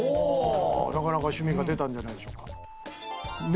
なかなか趣味が出たんじゃないでしょうか。